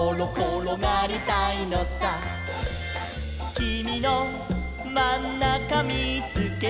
「きみのまんなかみーつけた」